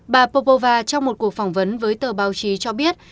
bà popova trong một cuộc phỏng vấn với tờ báo chí cho biết